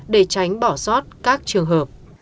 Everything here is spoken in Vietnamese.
để tránh bỏ sót các trường hợp